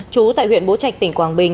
chú tại huyện bố trạch tỉnh quảng bình